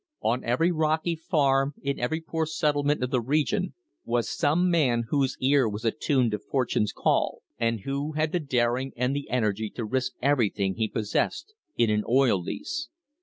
On every rocky farm, in every poor settlement of the THE HISTORY OF THE STANDARD OIL COMPANY region, was some man whose ear was attuned to Fortune's call, and who had the daring and the energy to risk every thing he possessed in an oil lease.